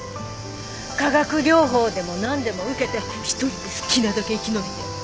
化学療法でも何でも受けて一人で好きなだけ生き延びてやる。